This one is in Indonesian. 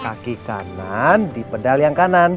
kaki kanan di pedal yang kanan